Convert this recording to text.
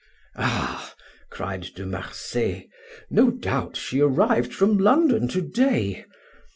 "Ah," cried De Marsay, "no doubt she arrived from London to day.